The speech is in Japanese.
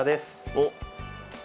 おっ。